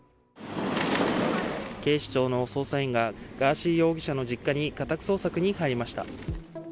警視庁の捜査員がガーシー容疑者の実家に家宅捜索に入りました。